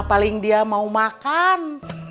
paling dia mau makan